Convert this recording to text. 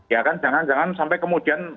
ya kan jangan jangan sampai kemudian